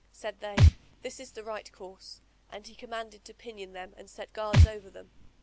Said they, "This is the right course;" and he commanded to pinion them; and set guards over them.